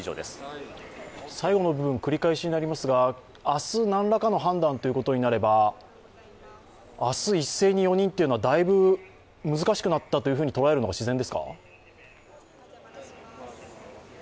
最後の部分繰り返しになりますが明日何らかの判断ということになれば、明日一斉に４人というのはだいぶ難しくなかったと捉えるのが自然ですか？